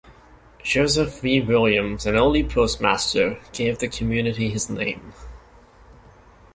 Joseph V. Williams, an early postmaster, gave the community his name.